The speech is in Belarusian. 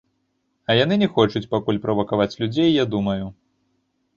А яны не хочуць пакуль правакаваць людзей, я думаю.